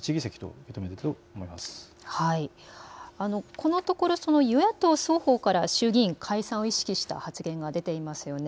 このところ、与野党双方から衆議院解散を意識した発言が出ていますよね。